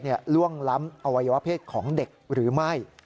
ล่วงล้ำอวัยวะเพศของเด็กหรือไม่